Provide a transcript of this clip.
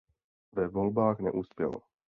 Ve volbách neuspěl.